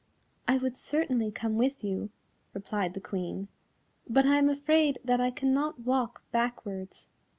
"I would certainly come with you," replied the Queen, "but I am afraid that I cannot walk backwards."